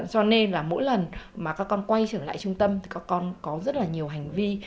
cho nên là mỗi lần mà các con quay trở lại trung tâm thì các con có rất là nhiều hành vi